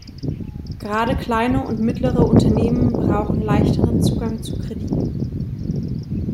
Gerade kleine und mittlere Unternehmen brauchen leichteren Zugang zu Krediten.